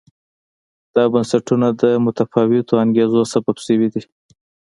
دا بنسټونه د متفاوتو انګېزو سبب شوي دي.